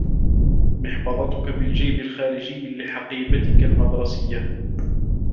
محفظتك في الجيب الخارجي لحقيبتك المدرسيّة.